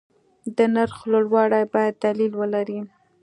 د نرخ لوړوالی باید دلیل ولري.